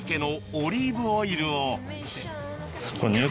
オリーブオイルを。